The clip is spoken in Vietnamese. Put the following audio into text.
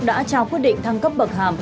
đã trao quyết định thăng cấp bậc hàm